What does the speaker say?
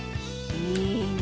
いいね。